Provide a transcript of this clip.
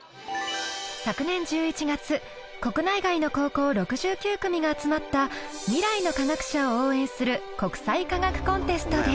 昨年１１月国内外の高校６９組が集まった未来の科学者を応援する国際科学コンテストで。